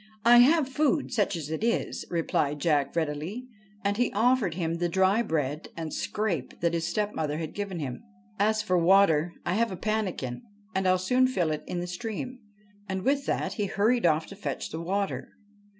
'' I have food, such as it is,' replied Jack readily ; and he offered him the dry bread and scrape that his stepmother had given him. 'As for water, I have a pannikin, and I '11 soon fill it at the stream.' And with that he hurried off to fetch the water.